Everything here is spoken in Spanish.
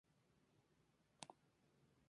Son muy venenosas y agresivas.